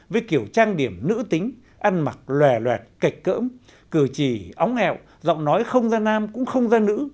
với kiểu trang điểm nữ tính ăn mặc loè loẹt cạch cỡm cười chì óng hẹo giọng nói không ra nam cũng không ra nữ